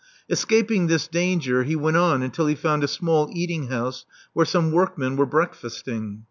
Escaping this danger, he went on until he found a small eating house where some workmen were break fasting.